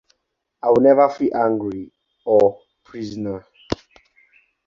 I never feel angry or prisoner.